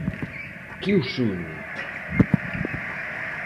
Que os une?